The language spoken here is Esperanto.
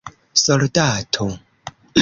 soldato